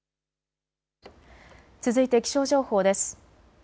続いて気象情報です。